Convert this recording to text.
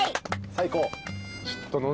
最高。